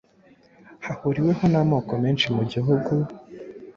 hahuriweho n’amoko menshi mu gihugu,